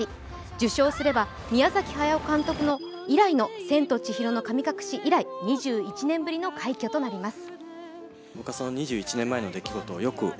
受賞すれば宮崎駿監督の「千と千尋の神隠し」以来、２１年ぶりの快挙となります。